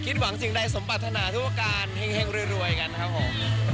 คิดหวังสิ่งใดสมบัติธนาธุรการแห่งรวยกันนะครับผม